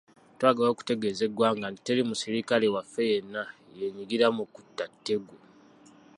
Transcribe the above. Twagala okutegeeza eggwanga nti teri musirikale waffe yenna yenyigira mu kutta Tegu.